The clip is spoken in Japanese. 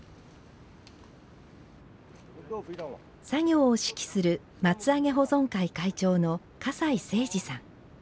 作業を指揮する、松上げ保存会会長の葛西清司さん。